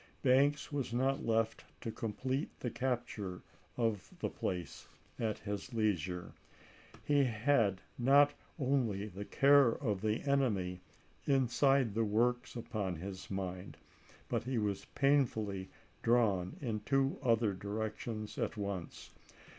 Banks was not left to complete the capture of the place at his leisure. He had not only the care of the enemy inside the works upon his mind, but he was painfully drawn in two other directions at once.